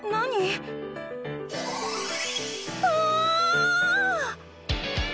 うわ！